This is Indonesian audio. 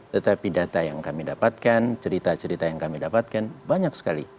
tetapi data yang kami dapatkan cerita cerita yang kami dapatkan banyak sekali